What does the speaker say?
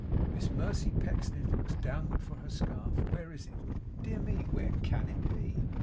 Miss Mercy Pecksniff looks downward for her scarf. Where is it? Dear me, where CAN it be?